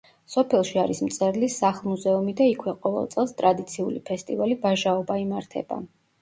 სოფელში არის მწერლის სახლ-მუზეუმი და იქვე ყოველ წელს ტრადიციული ფესტივალი „ვაჟაობა“ იმართება.